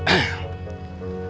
ini mau kemana